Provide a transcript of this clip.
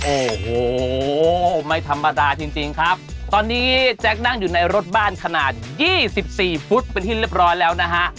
โอ้โหไม่ธรรมดาจริงครับตอนนี้แจ๊คนั่งอยู่ในรถบ้านขนาดยี่สิบสี่ฟุตเป็นที่เรียบร้อยแล้วนะฮะ